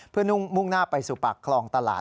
เพื่อมุ่งหน้าไปสู่ปากคลองตลาด